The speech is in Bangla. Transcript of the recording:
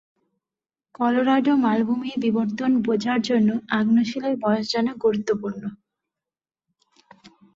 কলোরাডো মালভূমির বিবর্তন বোঝার জন্য আগ্নেয় শিলার বয়স জানা গুরুত্বপূর্ণ।